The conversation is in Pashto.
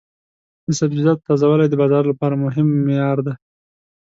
د سبزیجاتو تازه والی د بازار لپاره مهم معیار دی.